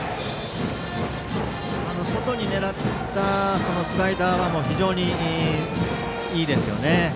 外に狙ったスライダーが非常にいいですよね。